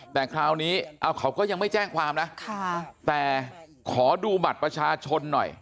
แต่คราวนี้เขาก็ยังไม่แจ้งความนะแต่ขอดูบัตรประชาชนหน่อย